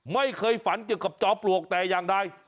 ไม่เคยฝันเกี่ยวกับจอมปลวกแต่อย่างใด